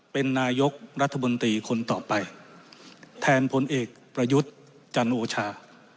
เป็นนายกรัฐมนตรีคนต่อไปแทนผลเอกประยุทธ์จันโอชา